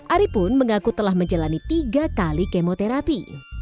ari pun mengaku telah menjalani tiga kali kemoterapi